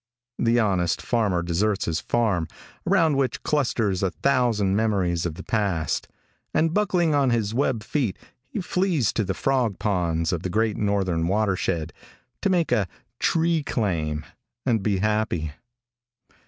The honest farmer deserts his farm, around which clusters a thousand memories of the past, and buckling on his web feet, he flees to the frog ponds of the great northern watershed, to make a "tree claim," and be happy.